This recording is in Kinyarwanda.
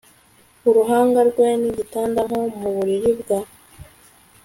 Uruhanga rwe nigitanda nko muburiri bwa Procrustes